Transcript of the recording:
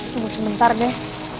tunggu sebentar deh